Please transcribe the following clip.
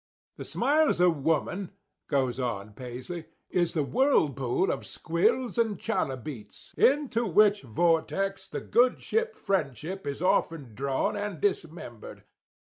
The smiles of woman,' goes on Paisley, 'is the whirlpool of Squills and Chalybeates, into which vortex the good ship Friendship is often drawn and dismembered.